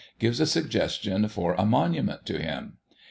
gives a suggestion for a monument to him.